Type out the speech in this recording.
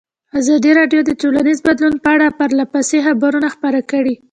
ازادي راډیو د ټولنیز بدلون په اړه پرله پسې خبرونه خپاره کړي.